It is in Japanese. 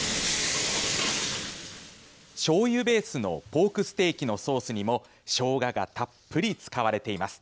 しょうゆベースのポークステーキのソースにもしょうががたっぷり使われています。